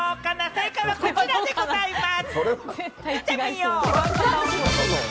正解はこちらでございます。